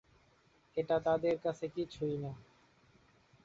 এটা তাদের কাছে কিছুই না।